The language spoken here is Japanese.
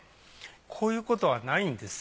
こういうことはないんです。